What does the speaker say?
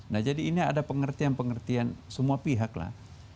nah jadi ini ada pengertian pengertian semua pihak lah